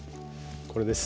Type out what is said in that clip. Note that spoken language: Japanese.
これです。